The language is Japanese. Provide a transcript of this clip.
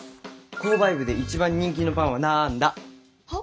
購買部で一番人気のパンはなんだ？は？